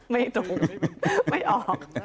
ไม่ออก